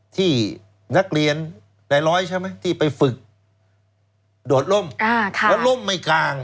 ที่นักเรียนหลายร้อยใช่ไหมที่ไปฝึกโดดล่มแล้วล่มไม่กลาง